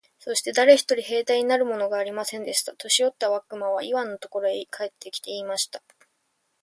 そして誰一人兵隊になるものがありませんでした。年よった悪魔はイワンのところへ帰って来て、言いました。